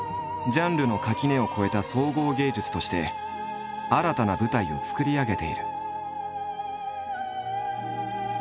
ジャンルの垣根を越えた総合芸術として新たな舞台を作り上げている。